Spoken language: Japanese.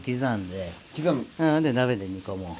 で鍋で煮込もう。